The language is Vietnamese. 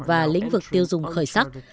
và lĩnh vực tiêu dùng khởi sắc